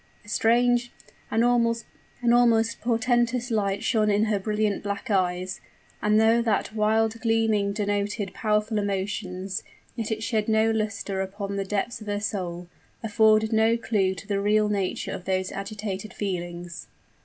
A strange an almost portentous light shone in her brilliant black eyes; and though that wild gleaming denoted powerful emotions, yet it shed no luster upon the depths of her soul afforded no clew to the real nature of these agitated feelings.